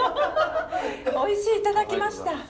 「おいしい」頂きました！